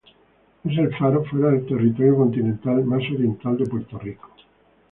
Es el faro fuera del territorio continental más oriental de Puerto Rico.